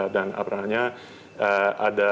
dan apalagi ada